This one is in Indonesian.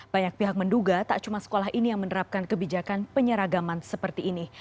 banyak pihak menduga tak cuma sekolah ini yang menerapkan kebijakan penyeragaman seperti ini